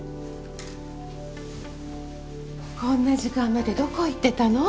こんな時間までどこ行ってたの？